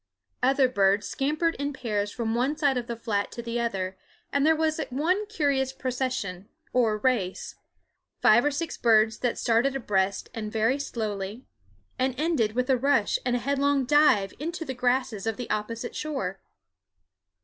Other birds scampered in pairs from one side of the flat to the other; and there was one curious procession, or race, five or six birds that started abreast and very slowly, and ended with a rush and a headlong dive into the grasses of the opposite shore.